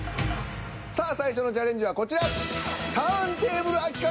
さあ最初のチャレンジはこちら。